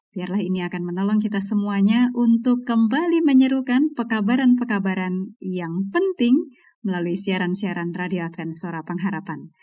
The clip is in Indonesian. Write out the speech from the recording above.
biarlah ini akan menolong kita semuanya untuk kembali menyerukan pekabaran pekabaran yang penting melalui siaran siaran radio advent suara pengharapan